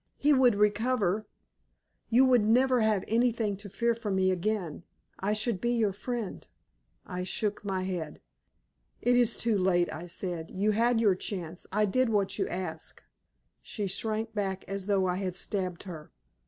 He would recover. You would never have anything to fear from me again. I should be your friend." I shook my head. "It is too late," I said. "You had your chance. I did what you asked." She shrank back as though I had stabbed her.